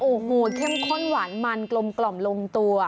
โอ้โหเข้มข้นหวานมันกลมลงตัว